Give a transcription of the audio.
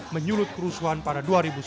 menyulut kerusuhan pada dua ribu sepuluh